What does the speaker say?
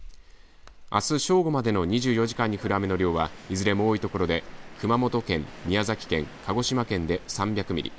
あす正午までの２４時間に降る雨の量は、いずれも多い所で熊本県、宮崎県、鹿児島県で３００ミリ